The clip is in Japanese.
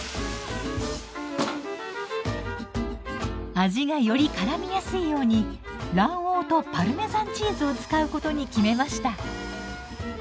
味がよりからみやすいように卵黄とパルメザンチーズを使うことに決めました。